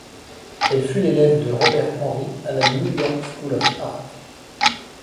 Elle fut l'élève de Robert Henri à la New York School of Art.